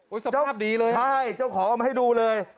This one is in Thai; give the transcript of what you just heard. โอ้ยสภาพดีเลยใช่เจ้าของมาให้ดูเลย